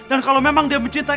aku sudah selesai